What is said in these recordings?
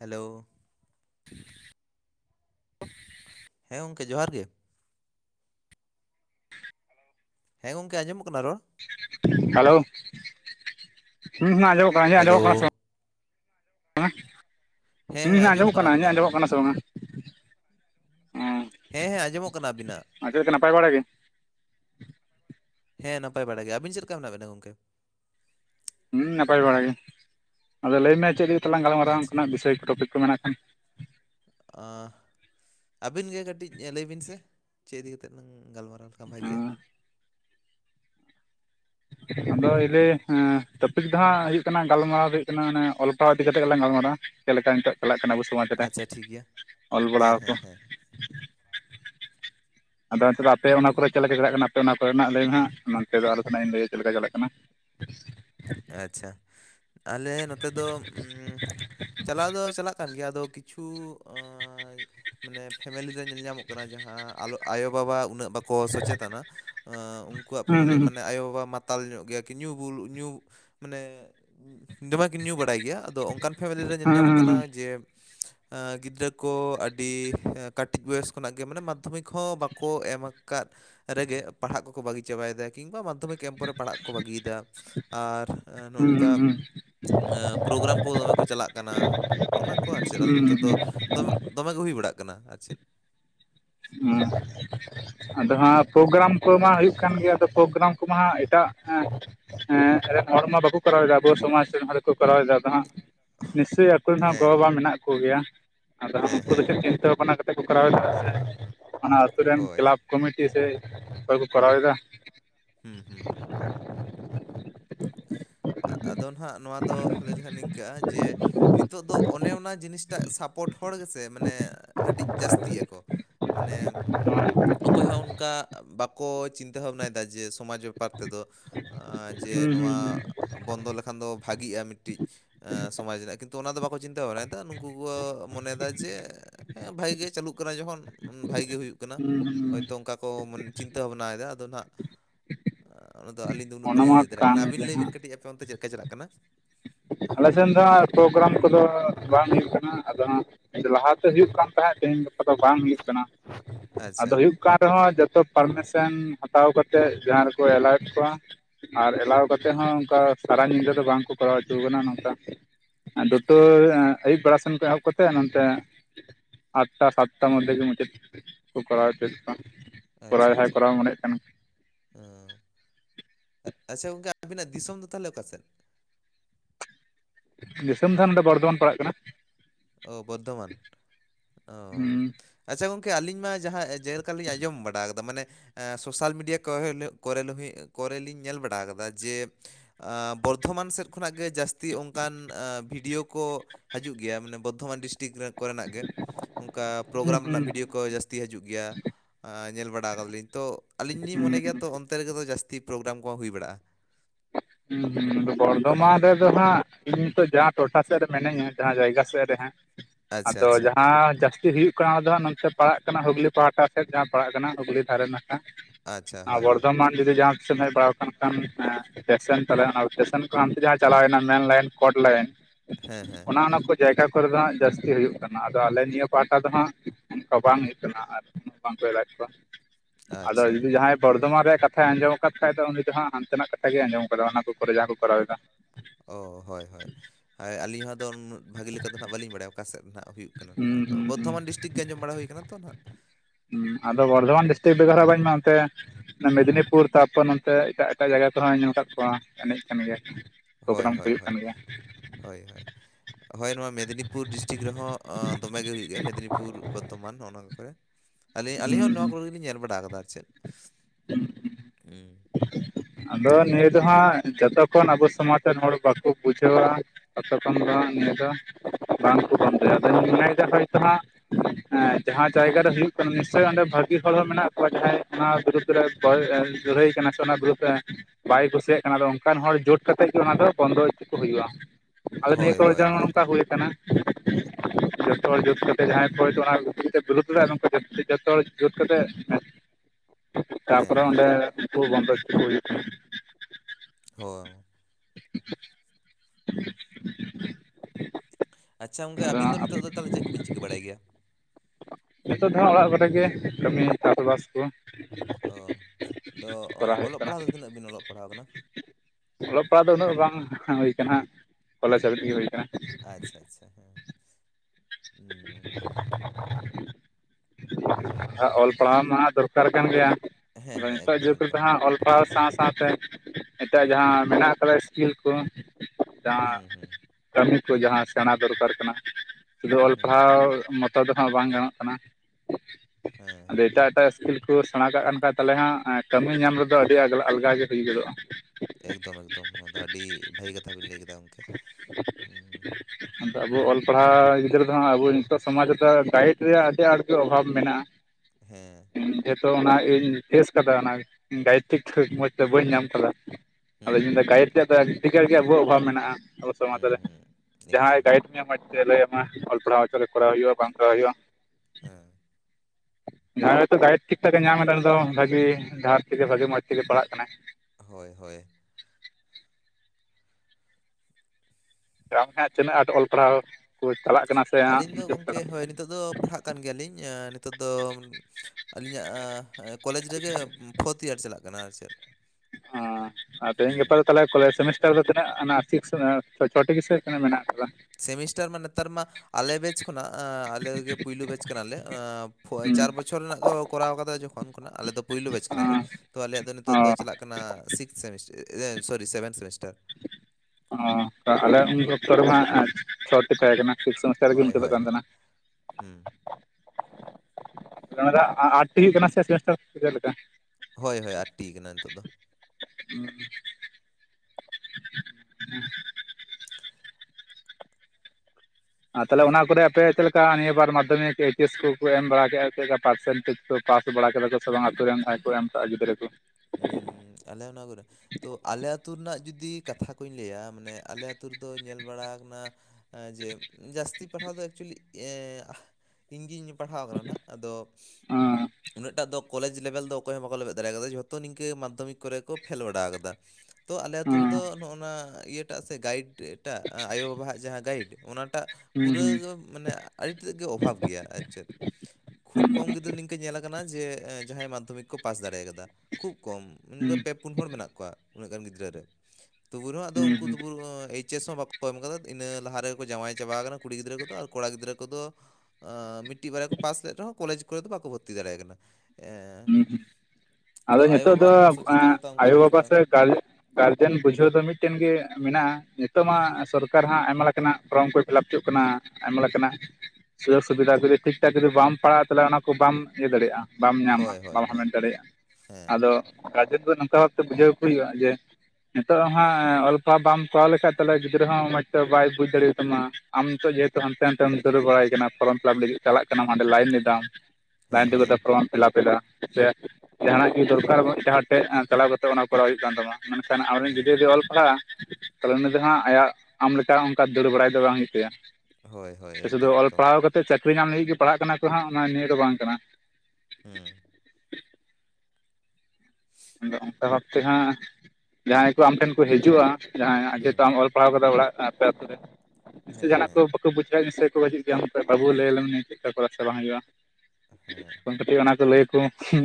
Hello [inaudible] ᱜᱚᱢᱠᱮ ᱡᱚᱦᱟᱨ ᱜᱮ ᱾ ᱦᱮᱸ ᱜᱚᱝᱠᱮ ᱟᱸᱡᱚᱢᱚᱜ ᱠᱟᱱᱟ ᱨᱚᱲ ᱦᱮᱞᱳ ᱦᱩᱸ ᱟᱡᱚᱢᱚᱜ ᱠᱟᱱᱟ ᱤᱧᱟᱜ ᱦᱮᱞᱳ ᱟᱡᱚᱢᱚᱜ ᱠᱟᱱᱟ ᱥᱮ ᱵᱟᱝ ᱦᱮᱸ ᱟᱸᱡᱚᱢᱚᱜ ᱠᱟᱱᱟ ᱤᱧᱟ ᱟᱸᱡᱚᱢᱚᱜ ᱠᱟᱱᱟ ᱥᱮ ᱵᱟᱝᱼᱟ ᱦᱮᱸ ᱦᱮᱸ ᱟᱸᱡᱚᱢᱚᱜ ᱠᱟᱱᱟ ᱟᱹᱵᱤᱱᱟᱜ ᱪᱮᱫ ᱠᱟ ᱱᱟᱯᱟᱭ ᱵᱟᱲᱟᱜ ᱜᱮ ᱦᱮᱸ ᱱᱟᱯᱟᱭ ᱵᱟᱲᱟ ᱜᱮ ᱟᱵᱤᱱ ᱪᱮᱫ ᱞᱮᱠᱟ ᱢᱮᱱᱟᱜ ᱵᱮᱱᱟ ᱜᱚᱢᱠᱮ? ᱦᱮᱸ ᱱᱟᱯᱟᱭ ᱵᱟᱲᱟ ᱜᱮ ᱟᱫᱚ ᱞᱟᱹᱭᱢᱮ ᱪᱮᱫ ᱤᱫᱤ ᱠᱟᱛᱮ ᱞᱟᱝ ᱜᱟᱞᱢᱟᱨᱟᱣ-ᱟ ᱚᱱᱠᱟᱱᱟᱜ ᱵᱤᱥᱚᱭ ᱠᱚ ᱴᱚᱯᱤᱠ ᱠᱚ ᱢᱮᱱᱟᱜ ᱠᱷᱟᱱ ᱟ ᱟᱹᱵᱤᱱ ᱜᱮ ᱠᱟᱹᱴᱤᱡ ᱞᱟᱹᱭ ᱵᱤᱱ ᱥᱮ ᱪᱮᱫ ᱤᱫᱤ ᱠᱟ ᱠᱟᱛᱮ ᱞᱟᱝ ᱜᱟᱞᱢᱟᱨᱟᱣ ᱞᱮᱠᱷᱟᱱ ᱵᱷᱟᱜᱤᱼᱟ ᱟᱫᱚ ᱤᱞᱤ ᱮ ᱴᱚᱯᱷᱤᱠ ᱫᱚ ᱦᱟᱸᱜ ᱦᱩᱭᱩᱜᱼᱼ ᱜᱟᱞᱢᱟᱨᱟᱣ ᱦᱩᱭᱩᱜ ᱠᱟᱱᱟ ᱢᱟᱱᱮ ᱚᱞ ᱯᱟᱲᱦᱚ ᱤᱫᱤ ᱠᱟᱛᱮᱜ ᱜᱮᱞᱟᱝ ᱜᱟᱞᱢᱟᱨᱟᱣᱼᱟ, ᱪᱮᱫ ᱞᱮᱠᱟ ᱱᱤᱛᱚᱜ ᱪᱟᱞᱟᱜ ᱠᱟᱱᱟ ᱚᱵᱚᱥᱚ ᱾ ᱥᱚᱢᱟᱡᱽ ᱨᱮ ᱟᱪᱪᱷᱟ ᱴᱷᱤᱠ ᱜᱮᱭᱟ ᱚᱞ ᱦᱮᱸ ᱵᱟᱲᱟᱣ ᱟᱠᱚ᱾ ᱦᱮᱸ ᱦᱮᱸ ᱟᱫᱚ ᱱᱤᱛᱚᱜ ᱫᱚ ᱟᱯᱮ ᱚᱱᱟ ᱠᱚᱨᱮ ᱪᱮᱫ ᱞᱮᱠᱟ ᱪᱟᱞᱟᱜ ᱠᱟᱱᱟ ᱟᱯᱮ ᱚᱱᱟ ᱠᱚᱨᱮᱱᱟᱜ ᱞᱟᱹᱭ ᱢᱮ ᱦᱟᱜ, ᱱᱚᱛᱮ ᱫᱚ ᱟᱞᱮ ᱥᱮᱱᱟᱜ ᱤᱧ ᱞᱟᱹᱭᱟ ᱪᱮᱫ ᱞᱮᱠᱟ ᱪᱟᱞᱟᱜ ᱠᱟᱱᱟ᱾ ᱵ [inaudible] ᱟᱪᱪᱷᱟ, ᱟᱞᱮ ᱱᱚᱛᱮ ᱫᱚᱼᱼ ᱪᱟᱞᱟᱣ ᱫᱚ ᱪᱟᱞᱟᱜ ᱠᱟᱱ ᱜᱮᱭᱟ ᱟᱫᱚ ᱠᱤᱪᱷᱩ ᱟᱻ ᱢᱟᱱᱮ ᱯᱷᱮᱢᱮᱞᱤ ᱨᱮ ᱧᱮᱞ ᱧᱟᱢᱚᱜ ᱠᱟᱱᱟ ᱡᱟᱦᱟᱸ ᱟᱭᱚᱵᱟᱵᱟ ᱩᱱᱟᱹᱜ ᱵᱟᱼᱼ ᱠᱚ ᱥᱚᱪᱮᱛᱚᱱᱟ ᱩᱱᱠᱩᱣᱟᱜ ᱦᱩᱸ ᱯᱷᱮᱢᱮᱞᱤ ᱦᱩᱸ ᱢᱟᱱᱮ ᱟᱭᱚᱼᱵᱟᱵᱟ ᱢᱟᱛᱟᱞ ᱧᱚᱜ ᱜᱮᱭᱟ ᱠᱤ ᱧᱩ ᱵᱩᱞ ᱧᱩᱼᱼ ᱢᱟᱱᱮ, ᱫᱚᱢᱮᱠᱤᱱ ᱧᱩ ᱵᱟᱲᱟᱭ ᱜᱮᱭᱟ ᱟᱫᱚ ᱚᱱᱠᱟᱱ ᱯᱷᱮᱢᱮᱞᱤ ᱨᱮ ᱧᱮᱞ ᱧᱟᱢᱚᱜ ᱦᱩᱸ ᱠᱟᱱᱟ ᱡᱮᱼᱼ [inaudible] ᱟ ᱜᱤᱫᱽᱨᱟᱹ ᱠᱚ ᱟᱹᱰᱤ ᱠᱟᱹᱴᱤᱡ ᱵᱚᱭᱚᱥ ᱠᱷᱚᱱᱟᱜ ᱜᱮ ᱢᱟᱱᱮ ᱢᱟᱫᱽᱫᱷᱚᱢᱤᱠ ᱦᱚᱸ ᱵᱟᱠᱚ ᱮᱢ ᱟᱠᱟᱫᱼᱼ ᱨᱮᱜᱮ ᱯᱟᱲᱦᱟᱜ ᱠᱚᱠᱚ ᱵᱟᱹᱜᱤ ᱪᱟᱵᱟᱭᱮᱫᱟ, ᱠᱤᱝᱵᱟ ᱢᱟᱫᱽᱫᱷᱚᱢᱤᱠ ᱮᱢ ᱯᱚᱨᱮ ᱯᱟᱲᱦᱟᱜ ᱠᱚ ᱵᱟᱹᱜᱤᱭᱮᱫᱟ ᱾ ᱟᱨ ᱦᱩᱸ ᱦᱩᱸ ᱦᱩᱸ ᱱᱚᱜᱼᱱᱚᱝᱠᱟᱼᱼ ᱦᱩᱸ ᱦᱩᱸ ᱯᱨᱳᱜᱨᱟᱢ ᱠᱚ ᱫᱚᱢᱮ ᱠᱚ ᱪᱟᱞᱟᱜ ᱠᱟᱱᱟ ᱦᱚᱜᱼᱚ ᱱᱟ ᱠᱚ ᱟᱨ ᱪᱮᱫ ᱦᱩᱸ ᱟᱞᱮ ᱱᱚᱛᱮ ᱫᱚ ᱦᱩᱸ ᱦᱩᱸ ᱫᱚᱢᱮ᱾ ᱫᱚᱢᱮᱜᱮ ᱦᱩᱭ ᱵᱟᱲᱟᱜ ᱠᱟᱱᱟ ᱟᱨ ᱪᱮᱫ᱾ ᱦᱩᱸ [unintelligible] ᱟᱫᱚ ᱦᱟᱸ ᱯᱨᱳᱜᱨᱟᱢ ᱠᱚᱢᱟ ᱦᱩᱭᱩᱜ ᱠᱟᱱ ᱜᱮ ᱟᱫᱚ ᱯᱨᱳᱜᱨᱟᱢ ᱠᱚᱢᱟ ᱦᱟᱸᱜ ᱮᱴᱟᱜᱼᱼ ᱦᱮᱸ [unintelligible] ᱦᱚᱲᱢᱟ ᱵᱟᱠᱚ ᱠᱚᱨᱟᱣ ᱮᱫᱟ ᱟᱵᱚ ᱥᱚᱢᱟᱡᱽ ᱨᱮᱱ ᱦᱚᱲᱠᱚ ᱠᱚᱨᱟᱣ ᱮᱫᱟ ᱦᱟᱸᱜ᱾ ᱱᱤᱥᱪᱳᱭ ᱟᱠᱚᱨᱮᱱ ᱦᱚᱸ ᱜᱚᱼ ᱦᱮᱸ ᱵᱟᱵᱟ ᱢᱮᱱᱟᱜ ᱠᱚᱜᱮᱭᱟ ᱟᱫᱚ ᱦᱮᱸ ᱩᱱᱠᱩ ᱫᱚ ᱦᱮᱸ ᱪᱮᱫ ᱪᱤᱱᱛᱟᱹ ᱵᱷᱟᱵᱽᱱᱟ ᱠᱟᱼᱼ ᱚᱠᱚᱭ ᱠᱚ ᱠᱚᱨᱟᱣ ᱮᱫᱟ ᱥᱮ ᱚᱱᱟ ᱟᱛᱳ ᱨᱮᱱ ᱦᱳᱭ ᱠᱮᱞᱟᱵᱽ ᱠᱚᱢᱤᱴᱤ ᱥᱮ ᱚᱠᱚᱭ ᱠᱚ ᱠᱚᱨᱟᱣ ᱮᱫᱟ᱾ ᱦᱩᱸ ᱦᱩᱸ ᱦᱩᱸ᱾ ᱟᱫᱚ ᱱᱟᱸᱜ ᱱᱚᱣᱟ ᱫᱚ ᱞᱟᱹᱭ ᱞᱮᱠᱷᱟᱱ ᱱᱤᱝᱠᱟᱹᱜᱼᱟ ᱡᱮᱼᱼ ᱱᱤᱛᱚᱜ ᱫᱚ ᱚᱱᱮ ᱚᱱᱟ ᱡᱤᱱᱤᱥᱴᱟᱜ ᱥᱟᱯᱳᱨᱴ ᱦᱚᱲ ᱜᱮᱥᱮ ᱢᱟᱱᱮ ᱠᱟᱹᱴᱤᱡ ᱡᱟᱹᱥᱛᱤᱜ ᱟᱠᱚ ᱾ [unintelligible] ᱚᱠᱚᱭ ᱦᱚᱸ ᱚᱱᱠᱟ ᱵᱟᱠᱚ ᱪᱤᱱᱛᱟᱹ ᱵᱷᱟᱵᱽᱱᱟᱭᱮᱫᱟ ᱡᱮ᱾ ᱥᱚᱢᱟᱡᱽ ᱵᱮᱯᱟᱨ ᱛᱮᱫᱚ ᱡᱮ ᱦᱩᱸ ᱱᱚᱣᱟ ᱦᱩᱸ ᱦᱩᱸ ᱵᱚᱱᱫᱚ ᱞᱮᱠᱷᱟᱱ ᱫᱚ ᱵᱷᱟᱜᱤᱜᱼᱟ, ᱢᱤᱫᱴᱤᱡᱼᱼ ᱥᱚᱢᱟᱡᱽ ᱨᱮᱱᱟᱜ ᱠᱤᱱᱛᱩ ᱚᱱᱟ ᱫᱚ ᱵᱟᱠᱚ ᱪᱤᱱᱛᱟᱹ ᱵᱷᱟᱲᱱᱟ ᱛᱮ ᱱᱩᱠᱩ ᱠᱚ ᱢᱚᱱᱮᱭᱮᱫᱟ ᱡᱮ ᱦᱮᱸ ᱵᱷᱟᱜᱮ ᱜᱮ ᱪᱟᱹᱞᱩᱜ ᱠᱟᱱᱟ ᱡᱚᱠᱷᱚᱱ ᱵᱷᱟᱜ ᱜᱮ ᱦᱩᱭᱩᱜ ᱠᱟᱱᱟ᱾ ᱦᱩᱸ ᱦᱩᱸ ᱦᱳᱭᱛᱳ ᱚᱱᱠᱟ ᱠᱚ ᱪᱤᱱᱛᱟᱹ ᱵᱷᱟᱵᱽᱱᱟᱭᱮᱫᱟ ᱟᱫᱚ ᱦᱟᱸᱜ᱾ ᱚᱱᱟᱫᱚ ᱟᱹᱞᱤᱧ ᱫᱚ ᱩᱱᱟᱹᱜ ᱚᱱᱟ ᱵᱟᱹᱞᱤᱧ ᱢᱟ ᱞᱟᱹᱭ ᱫᱟᱲᱮᱭᱟᱜ ᱠᱟᱱᱟ, ᱠᱟᱱ ᱟᱹᱵᱤᱱ ᱜᱮ ᱞᱟᱹᱭ ᱦᱟᱸᱜ ᱵᱤᱱ ᱠᱟᱹᱴᱤᱡ ᱟᱯᱮ ᱚᱱᱛᱮ ᱪᱮᱫ ᱞᱮᱠᱟ ᱪᱟᱞᱟᱜ ᱠᱟᱱᱟ? ᱟᱞᱮᱥᱮᱱ ᱫᱚ ᱦᱟᱜ ᱯᱨᱳᱜᱨᱟᱢ ᱠᱚᱫᱚ ᱵᱟᱝ ᱦᱩᱭᱩᱜ ᱠᱟᱱᱟ, ᱟᱫᱚ ᱦᱟᱸᱜᱼᱼ ᱞᱟᱦᱟᱛᱮ ᱦᱩᱭᱩᱜ ᱠᱟᱱ ᱛᱟᱦᱮᱸᱫ ᱛᱮᱦᱮᱧ ᱜᱟᱯᱟ ᱫᱚ ᱵᱟᱝ ᱦᱩᱭᱩᱜ ᱠᱟᱱᱟ, ᱟᱫᱚ ᱟᱪᱪᱷᱟ ᱦᱩᱭᱩᱜᱼᱼ ᱫᱚᱠᱟᱱ ᱨᱮᱦᱚᱸ ᱡᱚᱛᱚ ᱯᱟᱨᱢᱤᱥᱚᱱ ᱦᱟᱛᱟᱣ ᱠᱟᱛᱮ ᱡᱟᱦᱟᱸ ᱨᱮᱠᱚ ᱮᱞᱟᱣᱮᱫ ᱠᱚᱣᱟ᱾ ᱟᱨ ᱮᱞᱟᱣ ᱠᱟᱛᱮᱫ ᱦᱚᱸ ᱚᱱᱠᱟ ᱥᱟᱨᱟ ᱧᱤᱫᱟᱹ ᱫᱚ ᱵᱟᱝᱠᱚ ᱠᱚᱨᱟᱣᱼᱼ [unintelligible] ᱟᱠᱟᱱᱟ ᱱᱚᱝᱠᱟ ᱫᱩᱴᱳ ᱟᱹᱭᱩᱵ ᱵᱮᱲᱟ ᱥᱮᱱ ᱠᱷᱚᱱ ᱮᱦᱚᱵ ᱠᱟᱛᱮᱫ ᱱᱚᱱᱛᱮᱼᱼ ᱟᱴᱴᱟ ᱥᱟᱛᱴᱟ ᱢᱚᱫᱫᱷᱮ ᱜᱮ ᱢᱩᱪᱟᱹᱫ ᱠᱚ ᱠᱚᱨᱟᱣ ᱚᱪᱚᱭᱮᱫ ᱠᱚᱣᱟ᱾ ᱠᱚᱨᱟᱣ ᱟᱪᱪᱷᱟ ᱡᱟᱦᱟᱸᱭ ᱟᱪᱪᱷᱟ᱾ ᱠᱚᱨᱟᱣ ᱢᱚᱱᱮᱭᱮᱫ ᱠᱟᱱ ᱚ ᱟᱪᱪᱷᱟ ᱜᱚᱝᱠᱮ ᱟᱵᱤᱱᱟᱜ ᱫᱤᱥᱚᱢ ᱫᱚ ᱛᱟᱦᱚᱞᱮ ᱚᱠᱟ ᱥᱮᱫ? ᱫᱤᱥᱚᱢ ᱫᱮᱱ ᱫᱷᱚ ᱵᱚᱨᱫᱷᱚᱢᱟᱱ ᱯᱟᱲᱟᱜ ᱠᱟᱱᱟ ᱾ ᱚ ᱵᱚᱨᱫᱷᱚᱢᱟᱱ ᱚ ᱦᱩᱸ ᱟᱪᱪᱷᱟ ᱜᱚᱝᱠᱮ ᱟᱹᱞᱤᱧ ᱢᱟ ᱡᱟᱦᱟᱸ, ᱡᱮ ᱞᱮᱠᱟ ᱞᱤᱧ ᱟᱸᱡᱚᱢ ᱵᱟᱲᱟ ᱟᱠᱟᱫᱟ ᱢᱟᱱᱮ᱾ ᱥᱳᱥᱟᱞ ᱢᱤᱰᱤᱭᱟ ᱠᱚᱨᱮ ᱠᱚᱦᱮ ᱠᱚᱨᱮ ᱞᱚᱦᱮ ᱠᱚᱨᱮ ᱞᱤᱧ ᱧᱮᱞ ᱵᱟᱲᱟ ᱠᱟᱫᱟ ᱡᱮᱼᱼ ᱚ ᱵᱚᱨᱫᱷᱚᱢᱟᱱ ᱥᱮᱫ ᱠᱷᱚᱱᱟᱜ ᱜᱮ ᱡᱟᱹᱥᱛᱤ ᱚᱱᱠᱟᱱ ᱵᱷᱤᱰᱭᱳ ᱠᱚ ᱦᱤᱡᱩᱜ ᱜᱮᱭᱟ ᱢᱟᱱᱮ᱾ ᱵᱚᱨᱫᱷᱚᱢᱟᱱ ᱰᱤᱥᱴᱤᱠ ᱠᱚᱨᱮᱱᱟᱜ ᱜᱮ, ᱚᱱᱠᱟ ᱦᱩᱸ ᱯᱨᱳᱜᱨᱟᱢ ᱨᱮᱱᱟᱜ ᱵᱷᱤᱰᱭᱳ ᱠᱚᱼᱼ ᱠᱚ ᱡᱟᱥᱛᱤ ᱦᱤᱡᱩᱜ ᱜᱮᱭᱟ ᱧᱮᱞ ᱵᱟᱲᱟ ᱠᱟᱫᱟ ᱛᱚ ᱟᱹᱞᱤᱧ ᱞᱤᱧ ᱦᱩᱸ ᱢᱚᱱᱮ ᱜᱮᱭᱟ ᱛᱚ ᱚᱱᱼᱼ ᱚᱱᱛᱮ ᱨᱮᱜᱮ ᱫᱚ ᱡᱟᱹᱥᱛᱤ ᱯᱨᱳᱜᱨᱟᱢ ᱠᱚ ᱦᱩᱭ ᱵᱟᱲᱟᱜᱼᱟ ᱾ ᱦᱩᱸ ᱦᱩᱸ ᱵᱚᱨᱫᱷᱚᱢᱟᱱ ᱨᱮᱫᱚ ᱦᱟᱸᱜ ᱤᱧ ᱱᱤᱛᱚᱜ ᱡᱟᱦᱟᱸ ᱴᱚᱴᱷᱟ ᱥᱮᱫ ᱨᱮ ᱢᱤᱱᱟᱹᱧᱟ᱾ ᱡᱟᱦᱟᱸ ᱡᱟᱭᱜᱟ ᱥᱮᱜ ᱨᱮ ᱦᱟᱜ ᱟᱪᱪᱷᱟ ᱟᱫᱚ ᱟᱪᱪᱷᱟ ᱡᱟᱦᱟᱸ ᱡᱟᱹᱥᱛᱤ ᱦᱩᱭᱩᱜ ᱠᱟᱱᱟ ᱚᱱᱟ ᱫᱚ ᱦᱟᱸᱜ ᱱᱚᱱᱛᱮ ᱯᱟᱲᱟᱜ ᱠᱟᱱᱟ ᱦᱩᱜᱽᱞᱤ ᱯᱟᱦᱴᱟ ᱥᱮᱫ ᱡᱟᱦᱟᱸ ᱯᱟᱲᱟᱜ ᱠᱟᱱᱟ ᱦᱩᱜᱽᱞᱤ ᱫᱷᱟᱨᱮ ᱨᱮᱱᱟᱜ ᱟᱪᱪᱷᱟ ᱮ ᱦᱳᱭ ᱦᱳᱭ ᱵᱚᱨᱫᱷᱚᱢᱟᱱ ᱡᱩᱫᱤ ᱡᱟᱦᱟᱸ ᱛᱤᱥᱮᱢ ᱦᱮᱡ ᱵᱟᱲᱟ ᱟᱠᱟᱱ ᱠᱷᱟᱱ ᱴᱮᱥᱮᱱ ᱛᱟᱞᱮ ᱚᱱᱟ ᱴᱮᱥᱚᱱ ᱠᱷᱚᱱ ᱦᱟᱱᱛᱮ ᱡᱟᱦᱟᱸ ᱪᱟᱞᱟᱣ ᱮᱱᱟ ᱢᱮᱱ ᱞᱟᱭᱤᱱ ᱠᱳᱴ ᱞᱟᱭᱤᱱ ᱦᱮᱸ ᱦᱮᱸ ᱚᱱᱟ ᱚᱱᱟ ᱠᱚ ᱡᱟᱭᱜᱟ ᱠᱚᱨᱮ ᱫᱚ ᱦᱟᱸᱜ ᱡᱟᱹᱥᱛᱤ ᱦᱩᱭᱩᱜ ᱠᱟᱱᱟ ᱟᱫᱚ ᱟᱞᱮ ᱱᱤᱭᱟᱹ ᱯᱟᱦᱴᱟ ᱫᱚ ᱦᱟᱸᱜ ᱚᱱᱠᱟ ᱵᱟᱝ ᱦᱩᱭᱩᱜ ᱠᱟᱱᱟ ᱟᱨ ᱵᱟᱝ ᱠᱚ ᱮᱞᱟᱣ ᱮᱫ ᱠᱚᱣᱟ ᱟᱫᱚ ᱟᱪᱪᱷᱟ ᱡᱩᱫᱤ ᱡᱟᱦᱟᱸᱭ ᱵᱚᱨᱫᱷᱚᱢᱟᱱ ᱨᱮᱭᱟᱜ ᱠᱟᱛᱷᱟᱭ ᱟᱸᱡᱚᱢ ᱟᱠᱟᱫ ᱠᱷᱟᱡ ᱫᱚ ᱩᱱᱤ ᱫᱚ ᱦᱟᱸᱜ ᱦᱟᱱᱛᱮ ᱱᱟᱜ ᱠᱟᱛᱷᱟ ᱠᱟᱛᱷᱟ ᱜᱮ ᱟᱡᱚᱢ ᱠᱟᱫᱟ ᱚᱱᱟ ᱠᱩ ᱠᱚᱨᱮ ᱡᱟᱦᱟᱸ ᱠᱩ ᱠᱚᱨᱟᱣ ᱮᱫᱟ ᱚ ᱦᱳᱭ ᱦᱳᱭ ᱦᱳᱭ ᱟᱹᱞᱤᱧ ᱦᱚᱸ ᱫᱚ ᱵᱷᱟᱜᱮ ᱞᱮᱠᱟ ᱫᱚ ᱱᱟᱦᱟᱸᱜ ᱵᱟᱹᱞᱤᱧ ᱵᱟᱲᱟᱭᱟ ᱚᱠᱟ ᱥᱮᱫ ᱱᱟᱜ ᱦᱩᱭᱩᱜ ᱠᱟᱱᱟ ᱱᱟᱜ ᱦᱩᱸ ᱟᱫᱚ ᱦᱩᱸ ᱦᱩᱸ ᱵᱚᱨᱫᱷᱚᱢᱟᱱ ᱰᱤᱥᱴᱤᱠ ᱜᱮ ᱟᱸᱡᱚᱢ ᱵᱟᱲᱟ ᱦᱩᱭ ᱠᱟᱱᱟ ᱛᱚ ᱱᱟᱜ ᱦᱩ ᱟᱫᱚ ᱵᱚᱨᱫᱷᱚᱢᱟᱱ ᱰᱤᱥᱴᱤᱠ ᱵᱮᱜᱚᱨ ᱢᱟ ᱚᱱᱛᱮ ᱢᱮᱫᱽᱱᱤᱯᱩᱨ ᱛᱟᱨᱯᱚᱨ ᱱᱚᱱᱛᱮ ᱮᱴᱟᱜ ᱮᱴᱟᱜ ᱡᱟᱭᱜᱟ ᱠᱚᱦᱚᱸ ᱧᱮᱞ ᱟᱠᱟᱫ ᱠᱚᱣᱟ ᱮᱱᱮᱡ ᱠᱟᱱ ᱜᱮᱭᱟ ᱦᱳᱭ ᱯᱨᱳᱜᱨᱟᱢ ᱠᱚ ᱦᱳᱭ ᱦᱩᱭᱩᱜ ᱦᱳᱭ ᱠᱟᱱ ᱜᱮᱭᱟ ᱦᱳᱭ ᱦᱳᱭ ᱦᱳᱭ ᱱᱚᱣᱟ ᱢᱮᱫᱱᱤᱯᱩᱨ ᱰᱤᱥᱴᱤᱠ ᱨᱮᱦᱚᱸ ᱫᱚᱢᱮ ᱜᱮ ᱦᱩᱭᱩᱜ ᱜᱮᱭᱟ ᱢᱮᱫᱱᱤ ᱯᱩᱨ ᱵᱚᱨᱫᱷᱚᱢᱟᱱ ᱦᱚᱜᱼᱚ ᱱᱚᱣᱟ ᱠᱚᱨᱮ ᱟᱹᱞᱤᱧ ᱟᱹᱞᱤᱧ ᱦᱚᱸ ᱱᱚᱣᱟ ᱦᱩᱸ ᱠᱚᱨᱮ ᱜᱮᱞᱤᱧ ᱧᱮᱞ ᱵᱟᱲᱟ ᱟᱠᱟᱫᱟ ᱟᱨ ᱪᱮᱫ ᱦᱩᱸ ᱦᱩᱸ ᱟᱫᱚ ᱱᱤᱭᱟᱹ ᱫᱚ ᱦᱟᱸᱜ ᱡᱚᱛᱚ ᱠᱷᱚᱱ ᱟᱵᱚ ᱥᱚᱢᱟᱡᱽ ᱨᱮᱱ ᱦᱚᱲ ᱵᱟᱠᱚ ᱵᱩᱡᱷᱟᱹᱣᱟ ᱛᱚᱛᱚ ᱠᱷᱚᱱ ᱫᱚ ᱦᱟᱸᱜ ᱱᱤᱭᱟᱹ ᱫᱚ ᱵᱟᱝ ᱠᱚ ᱵᱚᱱᱫᱚᱭᱟ ᱟᱫᱚᱧ ᱢᱚᱱᱮ [inaudible] ᱤᱧ ᱫᱚ ᱦᱟᱸᱜ ᱦᱮᱸ ᱡᱟᱦᱟᱸ ᱡᱟᱭᱜᱟ ᱨᱮ ᱦᱩᱭᱩᱜ ᱠᱟᱱᱟ ᱱᱤᱥᱥᱳᱭ ᱚᱸᱰᱮ ᱵᱷᱟᱹᱜᱤ ᱦᱚᱲ ᱦᱚᱸ ᱢᱮᱱᱟᱜ ᱠᱚᱣᱟ ᱡᱟᱦᱟᱸᱭ ᱚᱱᱟ ᱵᱤᱨᱩᱫ [inaudible] ᱞᱟᱹᱲᱦᱟᱹᱭ ᱠᱟᱱᱟ ᱥᱮ ᱚᱱᱟ ᱜᱩᱨᱩᱯ ᱨᱮ ᱵᱟᱭ ᱠᱩᱥᱤᱭᱟᱜ ᱠᱟᱱᱟ ᱟᱫᱚ ᱚᱱᱠᱟᱱ ᱦᱚᱲ ᱡᱩᱴ ᱠᱟᱛᱮᱜ ᱜᱮ ᱚᱱᱟ ᱫᱚ ᱵᱚᱱᱫᱚᱭ ᱦᱩᱪᱩ ᱦᱩᱭᱩᱜᱼᱟ ᱟᱫᱚ ᱦᱳᱭ ᱱᱤᱭᱟᱹ ᱠᱚ ᱦᱳᱭ ᱡᱮᱢᱚᱱ ᱦᱚᱜᱼᱚ ᱦᱳᱭ ᱱᱚᱝᱠᱟ ᱦᱩᱭ ᱠᱟᱱᱟ᱾ ᱡᱚᱛᱚ ᱦᱚᱲ ᱡᱩᱛ ᱠᱟᱛᱮ ᱡᱟᱦᱟᱸᱭ ᱠᱚ ᱦᱚᱭᱛᱚ ᱚᱱᱟ ᱵᱤᱨᱩᱫᱨᱮ ᱚᱱᱟᱠᱚ ᱡᱚᱛᱚ ᱦᱚᱲ ᱡᱩᱛ ᱠᱟᱛᱮ ᱦᱮᱸ ᱛᱟᱨᱯᱚᱨᱮ ᱦᱮᱸ ᱚᱰᱮ ᱩᱱᱠᱩ ᱵᱚᱱᱫᱚ ᱪᱩᱠᱩ ᱦᱩᱭᱩᱜ ᱦᱳᱭ [unintelligible] ᱟᱪᱪᱷᱟ ᱜᱚᱢᱠᱮ ᱠᱟᱱᱟ ᱟᱵᱤᱱ ᱫᱚ ᱟᱫᱚ ᱱᱤᱛᱚᱜ ᱫᱚ ᱛᱟᱦᱚᱸ ᱞᱮ ᱪᱮᱜ ᱠᱚᱵᱤᱱ ᱪᱤᱠᱟᱹ ᱵᱟᱲᱟᱭ ᱜᱮᱭᱟ ᱱᱤᱛᱚᱜ ᱫᱚ ᱚᱲᱟᱜ ᱠᱚᱨᱮ ᱜᱮ ᱠᱟᱹᱢᱤ ᱪᱟᱥ ᱵᱟᱥ ᱠᱚ ᱚ ᱫᱚ ᱠᱚᱨᱟᱣ ᱦᱩᱭᱩᱜ ᱚᱞᱚᱜ ᱠᱟᱱᱟ ᱯᱟᱲᱦᱟᱣ ᱫᱚ ᱛᱤᱱᱟᱹᱜ ᱵᱤᱱ ᱚᱞᱚᱜ ᱯᱟᱲᱦᱟᱣ ᱟᱠᱟᱱᱟ ᱚᱞᱚᱜ ᱯᱟᱲᱦᱟᱜ ᱫᱚ ᱩᱱᱟᱹᱜ ᱵᱟᱝ ᱦᱩᱭ ᱠᱟᱱᱟ ᱠᱚᱞᱮᱡ ᱦᱟᱹᱵᱤᱡ ᱜᱮ ᱦᱩᱭ ᱠᱟᱱᱟ᱾ ᱟᱪᱪᱷᱟ ᱟᱪᱪᱷᱟ ᱦᱮ ᱦᱩᱸᱻ [unintelligible] ᱚᱞ ᱯᱟᱲᱦᱟᱣ ᱢᱟ ᱫᱚᱨᱠᱟᱨ ᱠᱟᱱ ᱜᱮᱭᱟ ᱦᱮᱸ ᱟᱫᱚ ᱦᱮᱸ ᱱᱤᱛᱚᱜ ᱮᱠᱫᱚᱢ ᱡᱩᱜᱽ ᱨᱮ ᱫᱚ ᱮᱠᱫᱚᱢ ᱦᱟᱸᱜ ᱚᱞ ᱯᱟᱲᱟᱣ ᱥᱟᱶ ᱥᱟᱶ ᱛᱮ ᱮᱴᱟᱜ ᱡᱟᱦᱟᱸ ᱢᱮᱱᱟᱜ ᱟᱠᱟᱫ ᱤᱥᱠᱤᱞ ᱠᱚ᱾ ᱡᱟᱦᱟᱸ ᱦᱩᱸ ᱦᱩᱸ ᱠᱟᱹᱢᱤ ᱠᱚ ᱡᱟᱦᱟᱸ ᱥᱮᱬᱟ ᱫᱚᱨᱠᱟᱨ ᱠᱟᱱᱟ᱾ ᱡᱩᱫᱤ ᱚᱞ ᱦᱩᱸ ᱯᱟᱲᱦᱟᱣ ᱢᱚᱛᱚ ᱛᱮᱦᱚᱸ ᱵᱟᱝ ᱜᱟᱱᱚᱜ ᱠᱟᱱᱟ᱾ ᱦᱮᱸ ᱟᱫᱚ ᱮᱴᱟᱜ ᱮᱴᱟᱜ ᱠᱤᱞ ᱠᱚ ᱥᱮᱬᱟ ᱠᱟᱜ ᱠᱟᱱ ᱠᱷᱟᱡ ᱛᱟᱦᱚᱸ ᱞᱮ ᱦᱟᱜ ᱠᱟᱹᱢᱤ ᱧᱟᱢ ᱨᱮᱫᱚ ᱟᱹᱰᱤ ᱟᱜᱞᱟ ᱟᱞᱜᱟ ᱜᱮ ᱦᱩᱭ ᱜᱚᱫᱚᱜᱼᱟ᱾ ᱮᱠᱫᱚᱢ ᱮᱠᱫᱚᱢ ᱱᱚᱣᱟ ᱫᱚ ᱟᱹᱰᱤ ᱵᱷᱟᱹᱜᱤ ᱠᱟᱛᱷᱟ ᱵᱤᱱ ᱞᱟᱹᱭ ᱠᱮᱫᱟ ᱜᱚᱢᱠᱮ [unintelligible] ᱟᱫᱚ ᱟᱵᱚ ᱚᱞ ᱯᱟᱲᱦᱟᱣ ᱜᱤᱫᱽᱨᱟᱹ ᱫᱚ ᱦᱟᱸᱜ ᱟᱵᱚ ᱱᱤᱛᱚᱜ ᱥᱚᱢᱟᱡᱽ ᱨᱮ ᱫᱚ ᱜᱟᱭᱤᱰ ᱨᱮᱭᱟᱜ ᱟᱹᱰᱤ ᱟᱸᱴ ᱜᱮ ᱚᱵᱷᱟᱵ ᱢᱮᱱᱟᱜᱼᱟ᱾ ᱦᱮᱸ ᱡᱮᱦᱮᱛᱩ ᱚᱱᱟ ᱤᱧ ᱯᱷᱹᱮᱥ ᱠᱟᱫᱟ ᱚᱱᱟ ᱜᱤ ᱜᱟᱭᱤᱴ ᱴᱷᱤᱠ ᱴᱷᱟᱠ ᱢᱚᱸᱡᱽ ᱛᱮ ᱵᱟᱹᱧ ᱧᱟᱢ ᱠᱟᱫᱟ᱾ ᱦᱩᱸ ᱟᱫᱚᱧ ᱢᱮᱱ ᱮᱫᱟ ᱜᱟᱭᱤᱰ ᱨᱮᱭᱟᱜ ᱫᱚ ᱟᱹᱰᱤ ᱜᱟᱡ ᱜᱮ ᱟᱵᱚᱣᱟᱜ ᱚᱵᱷᱟᱵ ᱢᱮᱱᱟᱜᱼᱟ᱾ ᱟᱵᱚ ᱥᱚᱢᱟᱡᱽ ᱦᱩᱸ ᱨᱮ ᱦᱩᱸ ᱮᱠᱫᱚᱢ ᱡᱟᱦᱟᱸᱭ ᱜᱟᱭᱤᱰ ᱢᱮᱭᱟ ᱢᱚᱡ ᱛᱮ ᱞᱟᱹᱭ ᱟᱢᱟ ᱚᱞ ᱯᱟᱲᱦᱟᱣ ᱦᱚᱪᱚ ᱜᱮ ᱠᱚᱨᱟᱣ ᱦᱩᱭᱩᱜᱼᱟ ᱵᱟᱝ ᱠᱚᱨᱟᱣ ᱦᱩᱭᱩᱜᱼᱟ᱾ ᱦᱮᱸ [unintelligible] ᱡᱟᱦᱟᱸᱭ ᱦᱚᱭ ᱛᱚ ᱜᱟᱭᱤᱰ ᱴᱷᱤᱠ ᱴᱷᱟᱠ ᱮ ᱧᱟᱢ ᱮᱫᱟ ᱩᱱᱤ ᱫᱚ ᱵᱷᱟᱹᱜᱤ ᱰᱟᱦᱟᱨ ᱛᱮᱜᱮ ᱵᱷᱟᱜᱤ ᱢᱚᱸᱡᱽ ᱛᱮᱜᱮ ᱯᱟᱲᱦᱟᱜ ᱠᱟᱱᱟᱭ ᱦᱳᱭ ᱦᱳᱭ [inaudible] ᱛᱤᱱᱟᱹᱜ ᱟᱸᱴ ᱚᱞ ᱯᱟᱲᱦᱟᱣ ᱠᱚ ᱪᱟᱞᱟᱜ ᱠᱟᱱᱟ ᱥᱮ ᱦᱟᱸᱜ ᱟᱹᱞᱤᱧ ᱫᱚ ᱢᱩᱪᱟᱹᱫ ᱜᱚᱝᱠᱮ ᱠᱟᱫᱟᱢ ᱦᱥᱭ ᱱᱤᱛᱚᱜ ᱫᱚ ᱯᱟᱲᱦᱟᱜ ᱠᱟᱱ ᱜᱮᱭᱟ ᱞᱤᱧ ᱱᱤᱛᱚᱜ ᱫᱚ ᱟᱹᱞᱤᱧᱟᱜ ᱟ ᱠᱚᱞᱮᱡᱽ ᱨᱮᱜᱮ ᱯᱷᱳᱨᱛᱷ ᱤᱭᱟᱨ ᱪᱟᱞᱟᱜ ᱠᱟᱱᱟ ᱟᱨ ᱪᱮᱫ? ᱚᱸᱻ ᱟᱵᱮᱱ ᱜᱮ ᱦᱩᱸ ᱯᱟᱞᱮᱱ ᱛᱟᱦᱚᱞᱮ‌ ᱠᱚᱞᱮᱪ‌ ᱥᱮᱢᱮᱼᱼ ᱴᱟᱨ ᱫᱚ ᱛᱤᱱᱟᱹᱜ ᱟᱱᱟ ᱥᱤᱠᱥ ᱚ ᱪᱷᱚᱴᱤ ᱜᱤ ᱥᱮ ᱛᱤᱱᱟᱹᱜ ᱢᱮᱱᱟᱜ ᱟᱠᱟᱫᱟ? ᱥᱮᱢᱤᱥᱴᱟᱨ ᱢᱟ ᱱᱮᱛᱟᱨ ᱢᱟᱼᱼ ᱟᱞᱮ ᱵᱮᱪ ᱠᱷᱚᱱᱟᱜ ᱚ ᱟᱞᱮ ᱜᱮ ᱯᱩᱭᱞᱩ ᱵᱮᱪ ᱠᱟᱱᱟ ᱞᱮ ᱚ ᱯᱷᱚ ᱦᱩᱸ ᱪᱟᱨ ᱵᱚᱪᱷᱚᱨ ᱨᱮᱱᱟᱜ ᱜᱚ ᱠᱚᱨᱟᱣ ᱠᱟᱫᱟ ᱡᱚᱠᱼᱼ ᱠᱷᱚᱱ ᱠᱷᱚᱱᱟᱜ ᱟᱞᱮ‌ᱫᱥ ᱯᱩᱭᱞᱩ ᱵᱮᱪ ᱠᱟᱱᱟ ᱞᱮ ᱛᱚ ᱟᱞᱮ ᱭᱟᱜ ᱫᱚ ᱱᱤᱛᱚᱜ ᱫᱚ ᱪᱟᱞᱟᱜ ᱠᱟᱱᱟ ᱥᱤᱠᱥ ᱥᱮᱢᱤᱥᱼᱼ ᱮ ᱮᱣᱮ ᱥᱳᱨᱤ ᱥᱮᱵᱮᱱ ᱥᱮᱢᱮᱥᱴᱟᱨ᱾ ᱚᱻ ᱟᱞᱮ ᱩᱱ ᱚᱠᱛᱚ ᱨᱮ ᱢᱟ ᱟᱸᱼᱼ ᱪᱷᱚᱴᱤ ᱛᱟᱦᱮᱸ ᱠᱟᱱᱟ ᱥᱤᱠᱥ‌ ᱥᱮᱢᱮᱥᱴᱟᱨ‌ ᱨᱮᱜᱮ ᱦᱳᱭ ᱢᱩᱪᱟᱹᱫᱚᱜ ᱦᱳᱭ ᱠᱟᱱ ᱦᱳᱭ ᱛᱟᱦᱮᱱᱟ᱾ ᱦᱩᱸ ᱚᱱᱟ ᱫᱚ ᱟᱸ ᱟᱴ ᱴᱤ ᱦᱩᱭᱩᱜ ᱠᱟᱱᱟ ᱥᱮ ᱥᱮᱢᱮᱥᱴᱟᱨ ᱥᱮ ᱪᱮᱫ ᱞᱮᱠᱟ? ᱦᱚᱭ ᱦᱚᱭ ᱟᱴ ᱴᱤᱭ ᱠᱟᱱᱟ ᱱᱤᱛᱚᱜ ᱫᱚ᱾ ᱦᱩᱸ᱾ [unintelligible] ᱟᱨ ᱛᱟᱞᱦᱮ ᱚᱱᱟ ᱠᱚᱨᱮ ᱟᱯᱮ ᱪᱮᱜ ᱞᱮᱠᱟ ᱱᱤᱭᱟᱹ ᱵᱟᱨ ᱢᱟᱫᱽᱫᱷᱚᱢᱤᱠ ᱮᱠ ᱠᱭᱥ ᱠᱩ ᱠᱩ ᱮᱢ ᱵᱟᱲᱟ ᱠᱮᱜ-ᱟ ᱥᱮ ᱜᱟ ᱯᱟᱨᱥᱮᱱ ᱴᱮᱪ? ᱛᱚ ᱯᱟᱥ ᱵᱟᱲᱟ ᱠᱮᱫᱟ ᱠᱚ ᱥᱮ ᱵᱟᱝ ᱟᱛᱚ ᱨᱮᱱ ᱡᱟᱦᱟᱸᱭ ᱠᱚ ᱮᱢ ᱠᱟᱜ-ᱟ ᱜᱤᱫᱽᱨᱟᱹ ᱠᱩ? ᱦᱩᱸ ᱟᱞᱮ ᱚᱱᱟ ᱠᱚ ᱨᱮᱼᱼ ᱛᱚ ᱟᱞᱮ ᱟᱹᱛᱩ ᱨᱮᱱᱟᱜ ᱡᱩᱫᱤ ᱠᱟᱛᱷᱟ ᱠᱩᱧ ᱞᱟᱹᱭᱟ ᱢᱟᱱᱮ ᱟᱞᱮ ᱟᱛᱩ ᱨᱮᱫᱚ ᱧᱮᱞ ᱵᱟᱲᱟ ᱠᱟᱱᱟᱼᱼ ᱟ ᱡᱮ ᱡᱟᱹᱥᱛᱤ ᱯᱟᱲᱦᱟᱣ ᱫᱚ ᱮᱠᱪᱩᱞᱤ ᱮᱸᱜ ᱤᱧ ᱜᱤᱧᱼᱼ ᱯᱟᱲᱦᱟᱣ ᱟᱠᱟᱱᱟ ᱱᱟᱦᱟᱸᱜ ᱟᱫᱚ ᱦᱮᱸ ᱩᱱᱟᱹᱜ ᱴᱟᱜ ᱫᱚ ᱠᱚᱞᱮᱡᱽ ᱞᱮᱵᱮᱞ ᱫᱚ ᱚᱠᱚᱭ ᱦᱚᱸ ᱵᱟᱠᱚ ᱞᱮᱵᱮᱫ ᱫᱟᱲᱮᱭ ᱠᱟᱫᱟ ᱡᱷᱚᱛᱼᱼ ᱛᱚ ᱱᱤᱝᱠᱟᱹ ᱢᱟᱫᱽᱫᱷᱚᱢᱤᱠ ᱠᱚᱨᱮ ᱠᱚ ᱯᱷᱮᱞ ᱵᱟᱲᱟ ᱟᱠᱟᱫᱟ ᱛᱚ ᱟᱞᱮ ᱟᱛᱩ ᱦᱮᱸ ᱨᱮᱫᱚ ᱱᱚᱜ ᱚᱱᱟ ᱤᱭᱟᱹᱼᱼ ᱴᱟᱜ ᱥᱮ ᱜᱟᱭᱤᱰ ᱮᱴᱟᱜ ᱟᱭᱳᱼᱵᱟᱵᱟ ᱣᱟᱜ ᱡᱟᱦᱟᱸ ᱜᱟᱭᱤᱰ ᱚᱱᱟᱜᱼᱼ ᱴᱟᱜ ᱦᱩᱸ ᱯᱩᱨᱟᱹ ᱦᱩᱸ ᱜᱮ ᱢᱟᱱᱮ ᱟᱰᱤ ᱛᱮᱫ ᱜᱮ ᱚᱵᱷᱟᱵᱽ ᱜᱮᱭᱟ ᱟᱨ ᱪᱮᱫ᱾ ᱦᱩᱸ ᱠᱷᱩᱵ ᱠᱚᱢ ᱜᱤᱫᱟᱹ ᱱᱤᱝᱠᱟᱹ ᱧᱮᱞ ᱞᱟᱠᱟᱱᱟ ᱡᱮ ᱮᱸ ᱡᱟᱦᱟᱸᱭ ᱢᱟᱫᱽᱫᱷᱚᱢᱤᱠ ᱠᱚ ᱯᱟᱥ ᱫᱟᱲᱮᱭ ᱠᱟᱫᱟ, ᱠᱷᱩᱵ ᱠᱚᱢ᱾ ᱩᱸ ᱦᱩᱸ ᱯᱮ ᱯᱩᱱ ᱦᱚᱲ ᱢᱮᱱᱟᱜ ᱠᱚᱣᱟ ᱩᱱᱟᱹᱜ ᱜᱟᱱ ᱜᱤᱫᱽᱨᱟᱹ ᱨᱮ ᱛᱚᱵᱩ ᱨᱮᱦᱚᱸ ᱟᱫᱚ ᱦᱩᱸ ᱩᱱᱠᱩ ᱦᱩᱸ ᱛᱚᱵᱩ ᱟᱨᱚ ᱮᱭᱴᱼᱼ ᱪᱮᱥ ᱦᱚᱸ ᱵᱟᱠᱚ ᱮᱢ ᱠᱟᱫᱟ ᱤᱱᱟᱹ ᱞᱟᱦᱟ ᱨᱮᱜᱮ ᱡᱟᱶᱟᱭ ᱪᱟᱵᱟᱣ ᱟᱠᱟᱱᱟ ᱠᱩᱲᱤ ᱜᱤᱫᱽᱨᱟᱹ ᱠᱚᱫᱚ ᱟᱨ ᱠᱚᱲᱟ ᱜᱤᱫᱽᱨᱟᱹ ᱠᱚᱫᱚ ᱚᱻ ᱢᱤᱫᱴᱤᱡ ᱵᱟᱨᱭᱟ ᱠᱚ ᱯᱟᱥ ᱞᱮᱫ ᱨᱮᱦᱚᱸ ᱠᱚᱞᱮᱡᱽ ᱠᱚᱨᱮ ᱫᱚ ᱵᱟᱠᱚ ᱵᱷᱚᱨᱛᱤ ᱫᱟᱲᱮᱭ ᱠᱟᱱᱟ ᱮᱻ ᱦᱩᱸ ᱦᱩᱸ ᱟᱫᱚ ᱧᱤᱛᱚᱜ ᱫᱚ ᱮᱻ ᱟᱸᱜ ᱥᱚᱪᱮᱛᱚᱱᱚᱛᱟ ᱚᱱᱠᱟ ᱟᱭᱳ ᱵᱟᱵᱟ ᱵᱟᱹᱪᱩᱜᱼᱟ ᱥᱮ ᱜᱟᱸᱨᱼᱼ ᱜᱟᱨᱡᱮᱱ ᱵᱩᱡᱷᱟᱹᱣ ᱫᱚ ᱢᱤᱫᱴᱮᱱ ᱜᱮ ᱢᱮᱱᱟᱜ-ᱟ ᱱᱤᱛᱚᱜ ᱢᱟ ᱥᱚᱨᱠᱟᱨ ᱦᱟᱸᱜ ᱟᱭᱢᱟ ᱞᱮᱠᱟ ᱱᱟᱜ ᱯᱷᱚᱨᱚᱢ ᱠᱚᱭ ᱯᱷᱤᱞᱟᱯ ᱪᱩᱜ ᱠᱟᱱᱟ᱾ ᱟᱭᱢᱟ ᱞᱮᱠᱟᱱᱟᱜ ᱥᱩᱡᱳᱜᱽ ᱥᱩᱵᱤᱫᱷᱟ ᱡᱩᱫᱤ ᱴᱷᱤᱠ ᱴᱷᱟᱠ ᱡᱩᱫᱤ ᱵᱟᱢ ᱯᱟᱲᱟᱜᱼᱟ ᱛᱟᱦᱚᱞᱮ ᱚᱱᱟ ᱠᱚ ᱵᱟᱢ ᱤᱭᱟᱹ ᱫᱟᱲᱮᱭᱟᱜᱼᱟ᱾ ᱵᱟᱢ ᱧᱟᱢᱟ ᱦᱳᱭ ᱦᱳᱭ ᱵᱟᱢ ᱦᱳᱭ ᱦᱟᱢᱮᱴ ᱫᱟᱲᱮᱭᱟᱜ-ᱟ ᱦᱮᱸ ᱟᱫᱚ ᱜᱟᱨᱡᱮᱫ ᱫᱚ ᱱᱚᱝᱠᱟ ᱵᱷᱟᱵᱽ ᱛᱮ ᱵᱩᱡᱷᱟᱹᱣ ᱠᱚ ᱦᱩᱭᱩᱜ-ᱟ ᱡᱮᱼᱼ ᱱᱤᱛᱚᱜ ᱦᱟᱸᱜ ᱚᱞᱯᱚ ᱵᱟᱢ ᱠᱚᱨᱟᱣ ᱞᱮᱠᱟᱡ ᱛᱟᱦᱚᱞᱮ ᱜᱤᱫᱽᱨᱟᱹ ᱦᱚᱸ ᱢᱚᱸᱡᱽ ᱛᱮᱚ ᱵᱟᱭ ᱵᱩᱡ ᱫᱟᱲᱮᱭᱟ ᱛᱟᱢᱟ᱾ ᱟᱢ ᱱᱤᱛᱚᱜ ᱡᱮ ᱦᱮᱛᱩ ᱦᱟᱱᱛᱮ ᱱᱟᱛᱮᱢ ᱫᱟᱹᱨ ᱵᱟᱲᱟᱭ ᱠᱟᱱᱟ ᱯᱷᱚᱨᱚᱢ ᱯᱷᱤᱞᱟᱯ ᱞᱟᱹᱜᱤᱫ ᱪᱟᱞᱟᱜ ᱠᱟᱱᱟᱢ ᱟᱸᱰᱮ ᱞᱟᱭᱤᱱ ᱮᱫᱟᱢᱼᱼ ᱞᱟᱭᱤᱱ ᱦᱮᱸ ᱛᱮᱝᱜᱩ ᱦᱮᱸ ᱠᱟᱛᱮ ᱯᱷᱚᱨᱚᱢ ᱯᱷᱮᱞᱟᱯ ᱮᱫᱟ ᱥᱮᱼᱼ ᱥᱮ ᱡᱟᱦᱟᱸ ᱱᱟᱜ ᱜᱮ ᱫᱚᱨᱠᱟᱨ ᱴᱟᱜ ᱦᱚᱲ‌ ᱴᱷᱮᱡ ᱪᱟᱞᱟᱣ ᱠᱟᱛᱮᱜ ᱚᱱᱟ ᱠᱚᱨᱟᱣ ᱦᱩᱭᱩᱜ ᱠᱟᱱ ᱛᱟᱢᱟ ᱢᱮᱱᱠᱷᱟᱱ ᱟᱢ ᱨᱮᱱ ᱦᱩᱸ ᱜᱤᱫᱽᱨᱟᱹ ᱫᱚ ᱚᱞᱼᱼ ᱟ ᱛᱟᱦᱚᱞᱮ ᱩᱱᱤ ᱫᱚ ᱦᱟᱸᱜ ᱟᱭᱟᱜ ᱟᱢ ᱞᱮᱠᱟ ᱚᱱᱠᱟ ᱫᱟᱹᱲ ᱵᱟᱲᱟᱭ ᱫᱚ ᱵᱟᱝ ᱦᱩᱭᱩᱜ ᱛᱟᱭᱟ᱾ ᱦᱳᱭ ᱦᱳᱭ ᱥᱩᱫᱩ ᱮᱠᱫᱚᱢ ᱚᱞ ᱮᱠᱫᱚᱢ ᱯᱟᱲᱦᱟᱣ ᱠᱟᱛᱮᱜ ᱪᱟᱹᱠᱨᱤ ᱧᱟᱢ ᱞᱟᱹᱜᱤᱫ ᱜᱮ ᱯᱟᱲᱦᱟᱜ ᱠᱟᱱᱟ ᱠᱚ ᱦᱟᱸᱜ ᱚᱱᱟ ᱱᱤᱭᱟᱹ ᱫᱚ ᱵᱟᱝ ᱠᱟᱱᱟ᱾ ᱦᱩᱸ᱾ ᱟᱫᱚ ᱚᱱᱠᱟ ᱵᱷᱟᱵᱛᱮ ᱦᱟᱸᱜ ᱡᱟᱦᱟᱸᱭ ᱠᱚ ᱟᱢ ᱴᱷᱮᱱ ᱠᱚ ᱦᱤᱡᱩᱜ-ᱟ ᱡᱟᱦᱟᱸᱭ ᱟᱢ ᱡᱮ ᱦᱩᱸ ᱛᱩ ᱚᱞ ᱯᱟᱲᱦᱟᱣ ᱠᱟᱫᱟ ᱚᱲᱟᱜ ᱟᱼᱼ ᱯᱮ‌ ᱟᱛᱩ ᱨᱮ ᱥᱮ ᱦᱮᱸ ᱡᱟᱦᱟᱸ ᱱᱟᱜ ᱦᱮᱸ ᱠᱩᱼᱼ ᱠᱚ ᱵᱩᱡᱷ ᱠᱷᱟᱡ ᱱᱤᱥᱪᱚᱭ ᱠᱚ ᱦᱟᱹᱡᱩᱜ ᱜᱮᱭᱟ ᱟᱢ ᱴᱷᱮ ᱵᱟᱹᱵᱩ ᱞᱟᱹᱭ ᱞᱮᱢ ᱱᱚᱶᱟ ᱪᱮᱫ ᱞᱮᱠᱟ ᱠᱚᱨᱟᱣ ᱥᱮ ᱵᱟᱝ ᱦᱩᱭᱩᱜ-ᱟ ᱦᱮᱸ [inaudible] ᱪᱮ ᱚᱱᱟ ᱠᱚ ᱞᱟᱹᱭᱟ ᱠᱚ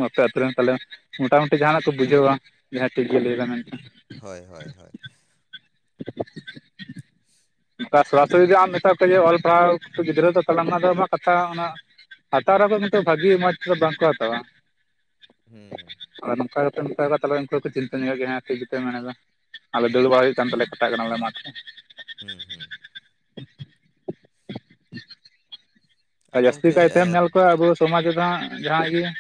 ᱟᱯᱮ ᱟᱛᱩ ᱨᱮ ᱛᱟᱦᱚᱞᱮ ᱢᱚᱴᱟ ᱢᱩᱼᱼ ᱡᱟᱦᱟᱸ ᱱᱟᱜ ᱠᱚ ᱵᱩᱡᱷᱟᱹᱣᱟ ᱡᱟᱦᱟᱸ ᱴᱷᱤᱠ ᱜᱮ ᱞᱟᱹᱭ ᱫᱟ ᱢᱮᱱ ᱛᱮ᱾ ᱦᱚᱭ ᱦᱚᱭ ᱦᱚᱭ᱾ [unintelligible] ᱥᱚᱨᱟᱼᱥᱚᱨᱤ ᱟᱢ ᱢᱮᱛᱟ ᱠᱚᱣᱟ ᱡᱮ ᱚᱞ ᱯᱟᱲᱦᱟᱣ‌ ᱠᱩᱯᱮ‌ ᱜᱤᱫᱽᱨᱟᱹ ᱫᱚ ᱛᱟᱦᱞᱮ‌ ᱟᱢᱟᱜ ᱫᱚ ᱠᱟᱛᱷᱟ ᱚᱱᱟᱼᱼ ᱦᱟᱛᱟᱣ ᱨᱮᱠᱚ ᱱᱤᱛᱚᱜ ᱵᱷᱟᱜᱤ ᱢᱚᱡᱽᱛᱮᱫ ᱵᱟᱝ ᱠᱚ ᱦᱟᱛᱟᱣᱟ᱾ ᱦᱩᱸ᱾ ᱟᱫᱚ ᱱᱚᱝᱠᱟ ᱠᱟᱛᱮᱜ ᱢᱮᱛᱟ ᱠᱚ ᱠᱷᱟᱡ ᱛᱟᱦᱚᱞᱮ ᱩᱱᱠᱩ ᱦᱚᱸ ᱠᱚ ᱪᱤᱱᱛᱟᱹ ᱧᱚᱜᱚ ᱜᱮᱭᱟ ᱦᱮᱸ ᱴᱷᱤᱠ ᱜᱮ ᱛᱚᱭ ᱢᱮᱱᱮᱫᱟ ᱟᱞᱮ ᱫᱟᱹᱲ ᱵᱟᱲᱟ ᱦᱮᱸ ᱦᱩᱭᱩᱜ ᱠᱟᱱ ᱛᱟᱞᱮᱭᱟ᱾ ᱯᱟᱛᱟᱜ ᱠᱟᱱᱟᱞᱮ ᱢᱟᱴᱷ ᱨᱮ᱾ ᱦᱩᱸ ᱦᱩᱸ ᱮ ᱟᱫᱚ ᱡᱟᱹᱥᱛᱤ ᱜᱚᱝᱠᱮ ᱠᱟᱭᱛᱮᱢ ᱮᱸ ᱧᱮᱞ ᱠᱚᱣᱟ ᱟᱵᱚᱼᱼ ᱥᱚᱢᱟᱡ ᱨᱮᱫᱚ ᱦᱟᱸᱜ ᱡᱟᱦᱟᱸ ᱤᱭᱟᱹ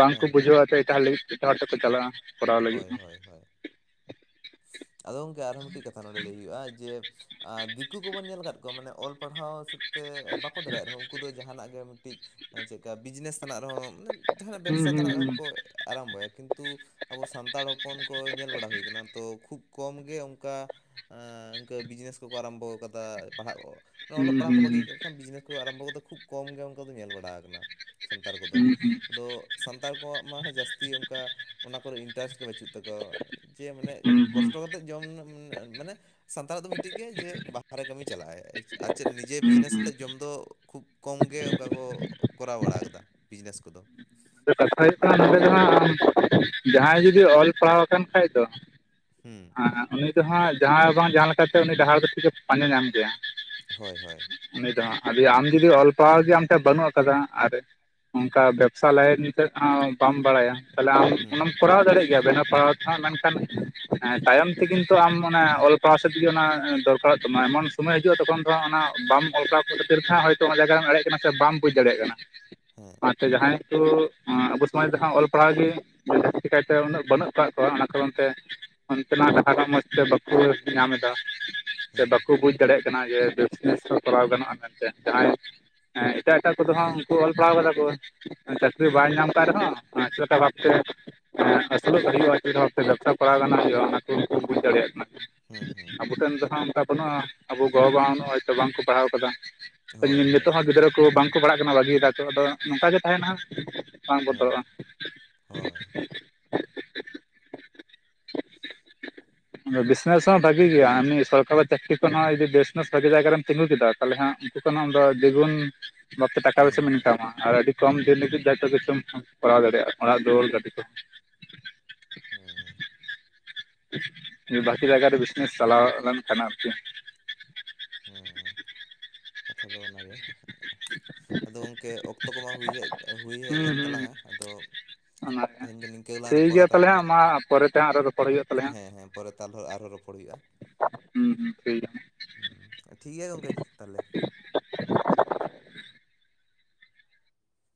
ᱵᱟᱝᱠᱚ ᱦᱮᱸ ᱵᱩᱡᱷᱟᱹᱣᱼᱟ ᱛᱚ ᱮᱴᱟᱜ ᱦᱚ ᱞᱟᱹᱜᱤᱫ ᱛᱮ᱾ ᱡᱟᱦᱟᱸ ᱛᱮᱠᱚ ᱪᱟᱞᱟᱜᱼᱟ ᱠᱚᱨᱟᱣ ᱞᱟᱹᱜᱤᱫ ᱦᱳᱭ ᱦᱚᱸ᱾ ᱦᱳᱭ ᱦᱳᱭ ᱟᱫᱚ ᱜᱚᱝᱠᱮ ᱟᱨᱦᱚᱸ ᱢᱤᱫᱴᱮᱡ ᱠᱟᱛᱷᱟ ᱱᱚᱰᱮ ᱞᱟᱹᱭ ᱦᱩᱭᱩᱜᱼᱟ ᱡᱮᱼᱼ ᱟᱨ ᱫᱤᱠᱩ ᱠᱚᱵᱚᱱ ᱧᱮᱞ ᱟᱠᱟᱫ ᱠᱚᱣᱟ ᱢᱟᱱᱮ ᱚᱞ ᱯᱟᱲᱦᱟᱣ ᱥᱮᱫ ᱛᱮ ᱵᱟᱠᱚ ᱫᱟᱲᱮᱭᱟᱜ ᱨᱮᱦᱚᱸ ᱩᱱᱠᱩ ᱫᱚ ᱡᱟᱦᱟᱱᱟᱜ ᱜᱮ ᱢᱤᱫᱴᱤᱡᱼᱼ [unintelligible] ᱦᱮᱸ ᱪᱮᱜᱠᱟ ᱵᱤᱡᱽᱱᱮᱥ ᱛᱮᱱᱟᱜ ᱨᱮᱦᱚᱸ ᱢᱟᱱᱮ ᱡᱟᱦᱟᱱᱟᱜ ᱦᱚᱸ ᱵᱮᱵᱽᱥᱟ ᱦᱩᱸ ᱛᱮᱟᱱᱟᱜ ᱦᱩᱸ ᱨᱮᱦᱚᱸ ᱠᱚᱼᱼ ᱟᱨᱟᱢᱵᱚᱭᱟ ᱠᱤᱱᱛᱩ ᱟᱵᱚ ᱥᱟᱱᱛᱟᱲ ᱦᱚᱯᱚᱱ ᱠᱚ ᱧᱮᱞ ᱵᱟᱲᱟ ᱦᱩᱭᱩᱭᱟ ᱟᱠᱟᱱᱟ᱾ ᱛᱚ ᱠᱷᱩᱵ ᱠᱚᱢ ᱜᱮ ᱚᱱᱠᱟ ᱮᱸ ᱤᱱᱠᱟᱹ ᱵᱤᱡᱽᱱᱮᱥ ᱠᱚᱠᱚ ᱟᱨᱚᱢᱵᱚ ᱟᱠᱟᱫᱟ ᱯᱟᱲᱦᱟᱜᱼᱼ ᱚᱞᱚᱜ ᱯᱟᱲᱦᱟᱜ ᱦᱩᱸ ᱠᱚ ᱵᱟᱹᱜᱤ ᱟᱠᱟᱜ ᱠᱷᱟᱱ ᱵᱤᱡᱱᱮᱥ ᱠᱚ ᱟᱨᱚᱢᱵᱚ ᱟᱠᱟᱫᱟ ᱠᱷᱩᱵ ᱠᱚᱢ ᱜᱮ ᱚᱱᱠᱟ ᱫᱚ ᱧᱮᱞ ᱵᱟᱲᱟ ᱟᱠᱟᱱᱟ᱾ ᱥᱟᱱᱛᱟᱲ ᱦᱩᱸ ᱦᱩᱸ ᱠᱚᱫᱚ ᱦᱩᱸ ᱟᱫᱚᱼᱼ ᱥᱟᱱᱛᱟᱲ ᱠᱚᱣᱟᱜ ᱢᱟ ᱦᱮ ᱡᱟᱹᱥᱛᱤ ᱚᱱᱠᱟ ᱚᱱᱟ ᱠᱚᱨᱮ ᱤᱱᱴᱟᱨᱮᱥᱴ ᱜᱮ ᱵᱟᱹᱪᱩᱜ ᱛᱟᱠᱚᱣᱟ ᱡᱮ ᱢᱟᱱᱮᱼᱼ ᱦᱩᱸ ᱠᱚᱥᱴᱚ ᱠᱟᱛᱮᱫ ᱡᱚᱢ ᱩᱢ ᱩᱢ ᱟᱱᱮ ᱥᱟᱱᱛᱟᱲᱟᱜ ᱫᱚ ᱢᱤᱫᱴᱤᱡ ᱜᱮᱭᱟ ᱡᱮ ᱵᱟᱦᱟᱨᱮ ᱠᱟᱹᱢᱤ ᱪᱟᱞᱟᱜ ᱟᱭ᱾ ᱟᱨ ᱪᱮᱫ ᱱᱤᱡᱮ ᱦᱩᱸ ᱦᱩᱸ ᱵᱤᱡᱽᱱᱮᱥ ᱦᱩᱸ ᱛᱮ ᱡᱚᱢ ᱫᱚ ᱠᱷᱩᱵᱼᱼ ᱠᱚᱢ ᱜᱮ ᱚᱱᱠᱟ ᱠᱚ ᱠᱚᱨᱟᱣ ᱵᱟᱲᱟ ᱟᱠᱟᱫᱟ ᱵᱤᱡᱽᱱᱮᱥ ᱠᱚᱫᱚ᱾ ᱠᱟᱛᱷᱟ ᱦᱩᱭᱩᱜ ᱠᱟᱱᱟ ᱱᱚᱰᱮ ᱡᱟᱦᱟ ᱡᱟᱦᱟᱸᱭ ᱡᱩᱚᱫᱤ ᱚᱞ ᱯᱟᱲᱦᱟᱣ ᱟᱠᱟᱱ ᱠᱷᱟᱡ ᱫᱚᱼᱼ ᱦᱩᱸ ᱦᱮ ᱦᱮ ᱩᱱᱤ ᱫᱚ ᱦᱟᱸᱜ ᱡᱟᱦᱟᱸ ᱵᱟᱝ ᱡᱟᱦᱟᱸ ᱞᱮᱠᱟᱛᱮ ᱩᱱᱤ ᱰᱟᱦᱟᱨ ᱫᱚ ᱴᱷᱤᱠᱮ ᱯᱟᱸᱡᱟ ᱧᱟᱢ ᱜᱮᱭᱟ᱾ ᱦᱳᱭ ᱦᱳᱭ ᱩᱱᱤ ᱫᱚ ᱦᱟᱸᱜ ᱟᱢ ᱡᱩᱫᱤ ᱚᱞ ᱯᱟᱲᱦᱟᱣ ᱡᱮ ᱟᱢ ᱴᱷᱮᱱ ᱵᱟᱹᱱᱩᱜ ᱟᱠᱟᱫᱟ ᱟᱨ ᱚᱱᱠᱟᱼᱼ ᱥᱟᱞᱟᱭ ᱱᱤᱛᱚᱜ ᱦᱚ ᱵᱟᱢ ᱵᱟᱲᱟᱭᱟ ᱛᱟᱦᱚᱞᱮ ᱟᱢ ᱦᱩᱸ ᱚᱱᱟᱢᱼᱼ ᱠᱚᱨᱟᱣ ᱫᱟᱲᱮᱭᱟᱜ ᱜᱮᱭᱟ ᱵᱮᱱᱟᱣ ᱯᱟᱲᱦᱟᱣ ᱛᱮᱦᱚᱸ ᱢᱮᱱᱠᱷᱟᱱ ᱛᱟᱭᱚᱢ ᱛᱮ ᱠᱤᱱᱛᱩ ᱟᱢ ᱚᱱᱟ ᱚᱞ ᱯᱟᱲᱦᱟᱣ ᱥᱮᱫᱼᱼ ᱚᱱᱟ ᱫᱚᱨᱠᱟᱨᱚᱜ ᱛᱟᱢᱟ ᱮᱢᱚᱱ ᱥᱚᱢᱚᱭ ᱦᱤᱡᱩᱜᱼᱟ ᱛᱚᱠᱷᱚᱱ ᱫᱚ ᱚᱱᱟ ᱵᱟᱢ ᱚᱞᱠᱟᱣ ᱠᱷᱟᱹᱛᱤᱨ ᱦᱟᱸᱜ ᱼᱼ ᱚᱱᱟ ᱡᱟᱭᱜᱟ ᱨᱮᱢ ᱮᱲᱮᱡ ᱠᱟᱱᱟ ᱥᱮ ᱵᱟᱢ ᱵᱩᱡᱽ ᱫᱟᱲᱮᱭᱟᱜ ᱠᱟᱱᱟ᱾ ᱦᱮᱸ ᱟᱪᱪᱷᱟ ᱡᱟᱦᱟᱸᱭ ᱠᱩ ᱟᱵᱚ ᱥᱚᱢᱟᱡ ᱨᱮᱫᱚ ᱦᱟᱸᱜ ᱚᱞ ᱯᱟᱲᱦᱟᱣ ᱜᱮ ᱡᱟᱹᱥᱛᱤ ᱠᱟᱭᱛᱮ ᱩᱱᱟᱹᱜ ᱵᱟᱹᱱᱩᱜ ᱠᱟᱜ ᱠᱚᱣᱟ ᱚᱱᱟ ᱠᱟᱨᱚᱱ ᱛᱮᱼᱼ ᱚᱱᱛᱮᱱᱟᱜ ᱠᱟᱛᱷᱟ ᱠᱚ ᱢᱚᱸᱡᱽᱛᱮ ᱵᱟᱠᱚ ᱧᱟᱢ ᱮᱫᱟ ᱥᱮ ᱦᱩᱸ ᱵᱟᱠᱩ ᱵᱩᱡ ᱫᱟᱲᱮᱭᱟᱜᱼᱼ ᱚᱱᱟ ᱜᱮ ᱵᱮᱥᱱᱮᱥ ᱦᱚᱸ ᱠᱚᱨᱟᱣ ᱜᱟᱱᱚᱜᱼᱟ ᱢᱮᱱᱛᱮ ᱡᱟᱦᱟᱸᱭᱼᱼ [unintelligible] ᱦᱮᱸ ᱮᱴᱟᱜ ᱮᱴᱟᱜ ᱠᱚᱫᱚ ᱦᱚᱸ ᱩᱱᱠᱩ ᱚᱞ ᱯᱟᱲᱦᱟᱣ ᱠᱟᱫᱟ ᱠᱩ᱾ ᱪᱟᱹᱠᱨᱤ ᱵᱟᱭ ᱧᱟᱢ ᱠᱟᱜ ᱨᱮᱦᱚᱸ ᱪᱮᱜ ᱞᱮᱠᱟ ᱵᱷᱟᱵ ᱛᱮ ᱮᱸ ᱟᱹᱥᱩᱞᱚᱜ ᱠᱟᱱ ᱜᱮᱭᱟ ᱦᱚᱸᱜᱼᱚᱭ ᱪᱮᱞᱠᱟ [inaudible] ᱵᱷᱟᱵ ᱛᱮ ᱵᱮᱵᱽᱥᱟ ᱯᱟᱲᱟᱣ ᱜᱟᱱᱚᱜ ᱦᱩᱭᱩᱜᱼᱟ ᱚᱱᱟ ᱠᱩᱠᱩ ᱵᱩᱡ ᱫᱟᱲᱮᱭᱟᱜ ᱠᱟᱱᱟ᱾ ᱦᱩᱸ ᱦᱩᱸ ᱟᱵᱚ ᱴᱷᱮᱱ ᱫᱚ ᱦᱟᱸᱜ ᱚᱱᱠᱟ ᱵᱟᱹᱱᱩᱜᱼᱟ ᱟᱵᱚ ᱜᱚᱼᱵᱟᱵᱟ ᱱᱚᱜᱼᱚᱭ ᱛᱚ ᱵᱟᱝᱠᱚ ᱯᱟᱲᱦᱟᱣ ᱠᱟᱫᱟ᱾ ᱦᱳᱭ ᱦᱳᱭ ᱱᱤᱼᱱᱤᱛᱚᱜ ᱦᱚᱸ ᱦᱳᱭ ᱜᱤᱫᱽᱨᱟᱹ ᱠᱚ ᱵᱟᱝᱠᱚ ᱯᱟᱲᱦᱟᱜ ᱠᱟᱱᱟ ᱵᱟᱹᱜᱤᱭ ᱮᱫᱟ ᱠᱚ ᱟᱫᱚ ᱱᱚᱝᱠᱟ ᱜᱮ ᱛᱟᱦᱮᱱᱟ ᱦᱟᱸᱜ᱾ ᱵᱟᱝ ᱵᱚᱫᱚᱞᱚᱜᱼᱟ᱾ ᱦᱩᱸ ᱦᱳᱭ ᱵᱤᱥᱱᱮᱥ ᱦᱚᱸ ᱵᱷᱟᱜᱤ ᱜᱮᱭᱟ ᱮᱢᱱᱤ ᱥᱚᱨᱟᱨᱤ ᱪᱟᱠᱨᱤ ᱠᱷᱚᱱ ᱦᱚ ᱡᱚᱫᱤ ᱵᱤᱥᱱᱮᱥ ᱵᱷᱟᱜᱤ ᱡᱟᱭᱜᱟ ᱨᱮᱢ ᱛᱤᱸᱜᱩ ᱠᱮᱫᱟ᱾ ᱛᱟᱦᱚᱞᱮ ᱦᱟᱸᱜ ᱱᱩᱠᱩ ᱦᱚᱸ ᱟᱢ ᱫᱚ ᱫᱤᱜᱩᱱ ᱵᱟᱵᱛᱮ ᱴᱟᱠᱟ ᱦᱩᱸ ᱯᱚᱭᱥᱟᱢ ᱦᱩᱸ ᱤᱱᱠᱟᱢᱼᱟ ᱟᱨ ᱟᱹᱰᱤ ᱠᱚᱢ ᱦᱩᱸ ᱫᱤᱱ ᱡᱷᱚᱛᱚ ᱠᱤᱪᱷᱩᱢ ᱠᱚᱨᱟᱣ ᱫᱟᱲᱮᱭᱟᱜᱼᱟ ᱚᱲᱟᱜ ᱫᱩᱣᱟᱹᱨ ᱜᱟᱹᱰᱤ ᱠᱳ᱾ ᱦᱩᱸᱻᱦᱩᱸ ᱵᱟᱠᱤ ᱡᱟᱭᱜᱟ ᱨᱮ ᱵᱤᱥᱱᱮᱥ ᱪᱟᱞᱟᱣ ᱜᱟᱱ ᱠᱟᱱᱟ ᱟᱨᱠᱤ᱾ ᱦᱩᱸ ᱠᱟᱛᱷᱟ ᱫᱚ ᱚᱱᱟᱜᱮ ᱟᱫᱚ ᱜᱚᱝᱠᱮ ᱚᱠ ᱚᱠᱛᱚ ᱠᱚᱢᱟ ᱦᱩᱭ ᱦᱮᱡ ᱦᱩᱭ ᱦᱮᱡ ᱦᱩᱸ ᱮᱱ ᱦᱩᱸ ᱦᱩᱸ ᱛᱟᱞᱟᱝᱟ, ᱟᱫᱚ ᱚᱱᱟᱜᱮ ᱛᱮᱦᱮᱧ ᱫᱚ ᱱᱤᱝᱠᱟᱹ ᱜᱮᱞᱟᱝ ᱨᱚᱯᱚᱲᱟ ᱛᱟᱦᱟᱞᱮ ᱱᱟᱜ᱾ ᱯᱚᱨᱛᱮ ᱦᱟᱸᱜ ᱟᱨᱚ ᱨᱚᱯᱚᱲ ᱦᱩᱭᱩᱜᱼᱟ᱾ ᱛᱟᱦᱚᱞᱮ ᱦᱟᱸᱜ ᱦᱮᱸ ᱦᱮᱸ ᱯᱚᱨᱮ ᱛᱟᱞᱦᱚ ᱟᱨᱦᱚᱸ ᱨᱚᱯᱚᱲ ᱦᱩᱭᱩᱜᱼᱟ᱾ ᱦᱩᱸ ᱦᱩᱸ ᱴᱷᱤᱠ ᱜᱮᱭᱟ ᱦᱩᱸ ᱴᱷᱤᱠ ᱜᱮᱭᱟ ᱜᱚᱝᱠᱮ ᱡᱤ ᱛᱟᱦᱚᱞᱮ᱾